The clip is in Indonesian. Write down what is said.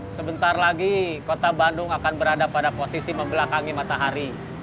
sebentar lagi kota bandung akan berada pada posisi membelakangi matahari